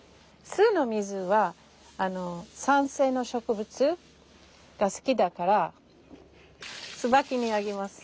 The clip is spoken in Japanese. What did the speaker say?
酢の水は酸性の植物が好きだからツバキにあげます。